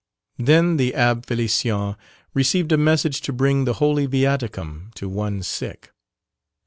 Then the Abbé Félicien received a message to bring the Holy Viaticum to one sick.